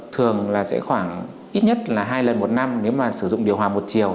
thường là sẽ khoảng ít nhất là hai lần một năm nếu mà sử dụng điều hòa một chiều